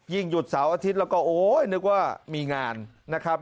หยุดเสาร์อาทิตย์แล้วก็โอ๊ยนึกว่ามีงานนะครับ